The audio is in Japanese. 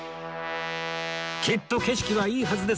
きっと景色はいいはずです